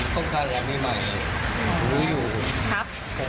โอ้โหต้องการแรงมีใหม่รู้อยู่ครับ